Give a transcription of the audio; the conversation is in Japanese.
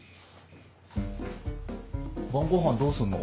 晩ごはんどうすんの？